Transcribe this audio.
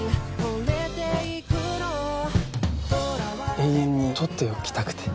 永遠にとっておきたくて。